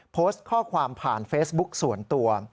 โพสต์ข้อความผ่านเฟซบุ๊กส่วนตัว